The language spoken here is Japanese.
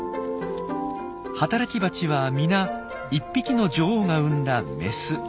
働きバチは皆１匹の女王が産んだメス。